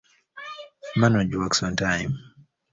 Manoj works on time.